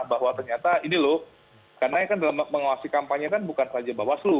bahwa ternyata ini loh karena kan dalam menguasai kampanye kan bukan saja bawaslu